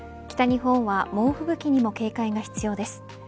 北日本は猛吹雪にも警戒が必要です。